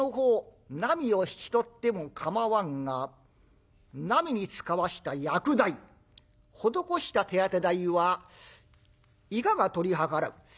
なみを引き取っても構わんがなみに使わした薬代施した手当て代はいかが取り計らう？」。